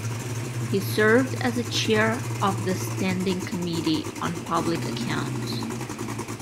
He served as the chair of the Standing Committee on Public Accounts.